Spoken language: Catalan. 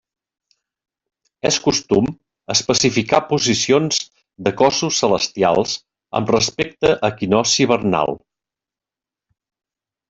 És costum especificar posicions de cossos celestials amb respecte equinocci vernal.